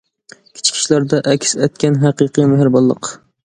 كىچىك ئىشلاردا ئەكس ئەتكەن ھەقىقىي مېھرىبانلىق.